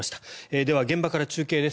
では現場から中継です。